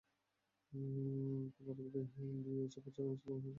প্রতারকদের দিয়ে এসব প্রচারণা চালানো হয়েছিল বলে এখন ভুক্তভোগীরা ধারণা করছেন।